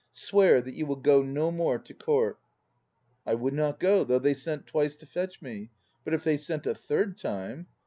Swear that you will go no more to Court!" "I would not go, though they sent twice to fetch me. But if they sent a third time